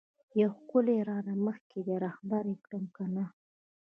یو ښکلی رانه مخکی دی رهبر یی کړم کنه؟